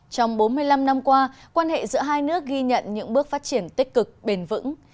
trong bốn mươi năm năm qua quan hệ giữa hai nước ghi nhận những bước phát triển tích cực bền vững